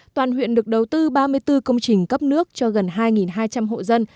toàn huyện được đầu tư ba mươi bốn công trình cấp nước cho gần hai hai trăm linh hộ dân